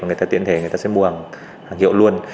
người ta tiễn thể người ta sẽ mua hàng hiệu luôn